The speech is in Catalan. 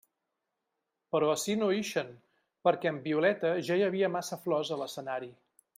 Però ací no ixen, perquè amb Violeta ja hi havia massa flors a l'escenari.